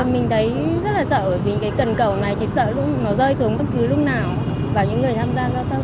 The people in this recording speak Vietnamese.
mình thấy rất là sợ vì cái cân cầu này chỉ sợ nó rơi xuống bất cứ lúc nào vào những người tham gia giao thông